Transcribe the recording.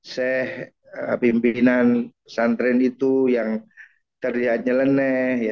seh pimpinan pesantren itu yang terlihat nyeleneh